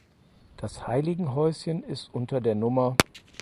Das Heiligenhäuschen ist unter der Nr.